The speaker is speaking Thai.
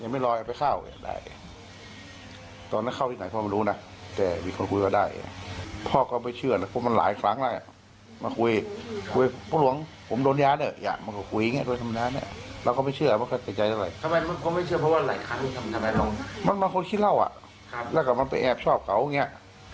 มันเป็นคนขี้เหล้าอ่ะแล้วก็มันไปแอบชอบเก๋าอย่างเงี้ย